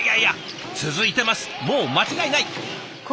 もう間違いない。